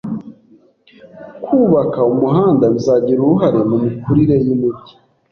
Kubaka umuhanda bizagira uruhare mu mikurire yumujyi.